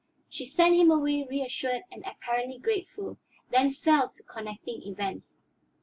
She sent him away reassured and apparently grateful, then fell to connecting events.